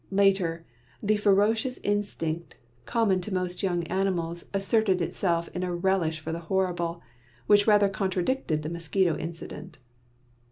Later, the ferocious instinct common to most young animals asserted itself in a relish for the horrible, which rather contradicted the mosquito incident.